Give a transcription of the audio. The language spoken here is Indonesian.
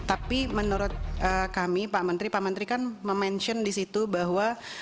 tapi menurut kami pak menteri pak menteri kan memention di situ bahwa